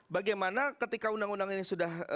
bagaimana ketika undang undang ini sudah